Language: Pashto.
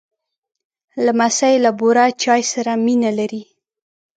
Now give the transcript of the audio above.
لمسی له بوره چای سره مینه لري.